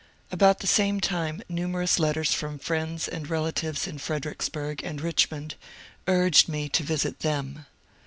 About the same time numerous letters from friends and relatives in Fredericksburg and Richmond urged me to visit them.